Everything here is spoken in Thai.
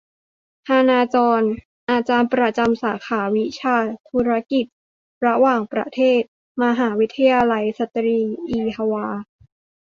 ฮันนา จ็อน อาจารย์ประจำสาขาวิชาธุรกิจระหว่างประเทศ มหาวิทยาลัยสตรีอีฮวา